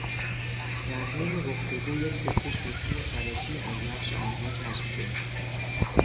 در حین گفتگو یک تکه شوخی خرکی از نقش آنها کشف شد.